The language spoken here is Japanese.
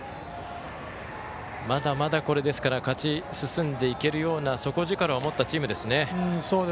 まだまだ、勝ち進んでいけそうな底力を持ったチームですね。